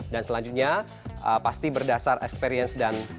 dan selanjutnya pasti berdasar experience dan pengetahuan